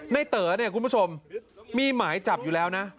เต๋อเนี่ยคุณผู้ชมมีหมายจับอยู่แล้วนะ